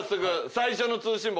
最初の通信簿